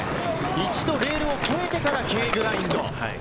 一度、レールを越えてからＫグラインド。